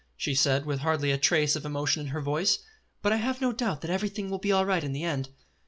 she said, with hardly a trace of emotion in her voice; "but I have no doubt that everything will be all right in the end."